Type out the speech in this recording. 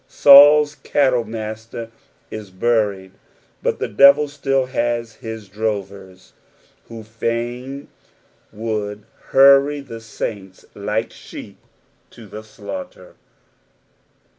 Saul'a cattle master is buried, but the devil still bus his drovers, who fain would hurry the ssiuts like abeep to the slaughter.